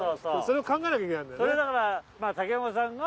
れを考えなきゃいけないんだよね。